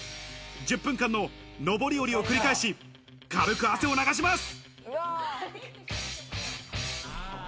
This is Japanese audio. １０分間の上り降りを繰り返し、かるく汗を流します。